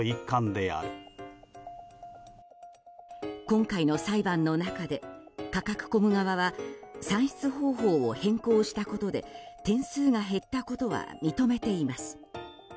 今回の裁判の中でカカクコム側は算出方法を変更したことで点数が減ったことは認めています。